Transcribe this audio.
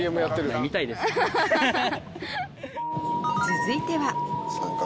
続いては？